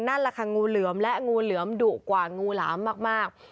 นั่นแหละค่ะงูเหลือมและงูเหลือมดุกว่างูหลามมาก